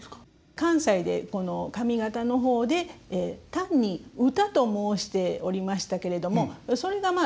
関西でこの上方の方で単に「唄」と申しておりましたけれどもそれがまあ